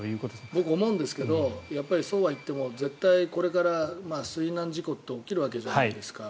僕、思うんですけどそうはいってもこれから水難事故って起きるわけじゃないですか。